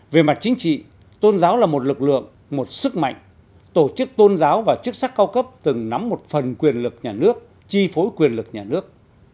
về mặt chính trị tôn giáo là một lực lượng một sức mạnh tổ chức tôn giáo và chức sắc cao cấp từng nắm một phần quyền lực nhà nước chi phối quyền lực nhà nước